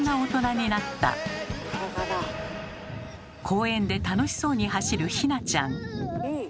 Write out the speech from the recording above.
公園で楽しそうに走るひなちゃん。